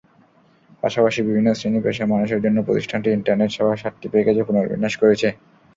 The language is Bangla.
পাশাপাশি বিভিন্ন শ্রেণি-পেশার মানুষের জন্য প্রতিষ্ঠানটি ইন্টারনেট সেবা সাতটি প্যাকেজে পুনর্বিন্যাস করেছে।